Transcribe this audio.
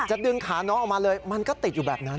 ดึงขาน้องออกมาเลยมันก็ติดอยู่แบบนั้น